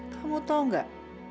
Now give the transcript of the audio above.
kamu tau gak